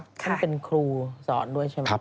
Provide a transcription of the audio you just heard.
ท่านเป็นครูสอนด้วยใช่ไหม